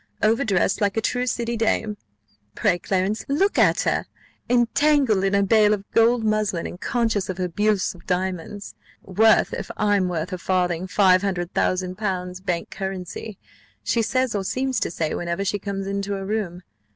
Overdressed, like a true city dame! Pray, Clarence, look at her, entangled in her bale of gold muslin, and conscious of her bulse of diamonds! 'Worth, if I'm worth a farthing, five hundred thousand pounds bank currency!' she says or seems to say, whenever she comes into a room.